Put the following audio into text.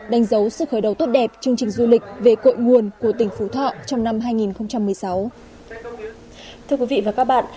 đánh dấu sự khởi đầu tốt đẹp chương trình du lịch về cội nguồn của tỉnh phú thọ trong năm hai nghìn một mươi sáu